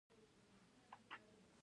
ایا مفصلونه مو پړسیدلي دي؟